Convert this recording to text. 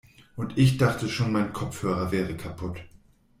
Und ich dachte schon, mein Kopfhörer wäre kaputt.